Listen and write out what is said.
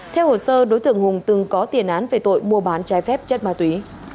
theo hồ sơ đối tượng hùng từng có tiền án về tội mua bán trái phép chất ma túy